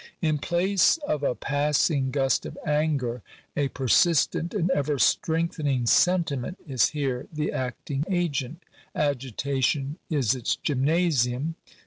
In place of a passing gust of anger, a persistent and ever strengthening sentiment is here the acting agent. Agitation is its gymnasium.